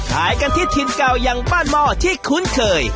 ขายกันที่ถิ่นเก่าอย่างบ้านหม้อที่คุ้นเคย